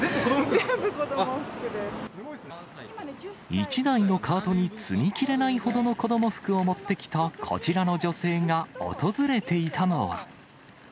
１台のカートに積みきれないほどの子ども服を持ってきたこちらの女性が、訪れていたのは。